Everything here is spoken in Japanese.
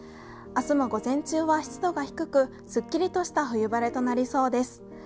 明日も午前中は湿度が低くすっきりとした冬晴れとなりそうです。